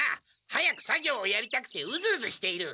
早く作業をやりたくてうずうずしている。